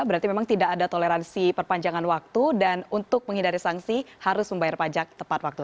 berarti memang tidak ada toleransi perpanjangan waktu dan untuk menghindari sanksi harus membayar pajak tepat waktu